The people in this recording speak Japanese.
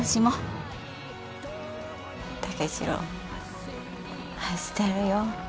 武四郎愛してるよ。